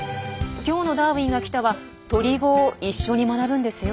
今日の「ダーウィンが来た！」は鳥語を一緒に学ぶんですよ。